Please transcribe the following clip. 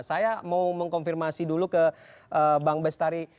saya mau mengkonfirmasi dulu ke bang bestari